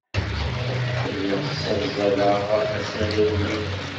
Lliɣ ssazzaleɣ asaru-nni.